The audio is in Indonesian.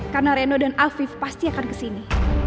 karena reno dan afif pasti akan kesini